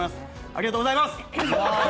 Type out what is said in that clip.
ありがとうございます！